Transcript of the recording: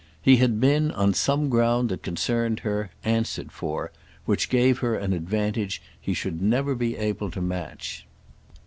He had been, on some ground that concerned her, answered for; which gave her an advantage he should never be able to match.